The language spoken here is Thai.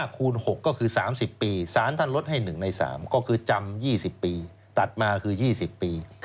คูณ๖ก็คือ๓๐ปีสารท่านลดให้๑ใน๓ก็คือจำ๒๐ปีตัดมาคือ๒๐ปี